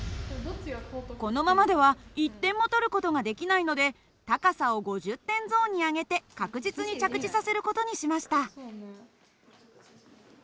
このままでは１点も取る事ができないので高さを５０点ゾーンに上げて確実に着地させる事にしました。